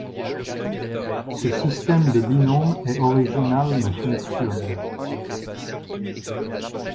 Ce système de binôme est original mais fonctionne.